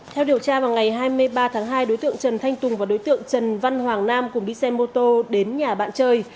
theo điều tra vào ngày hai mươi ba tháng hai đối tượng trần thanh tùng và đối tượng trần văn hoàng nam cùng đi xe mô tô đến nhà bạn chơi